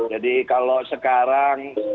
jadi kalau sekarang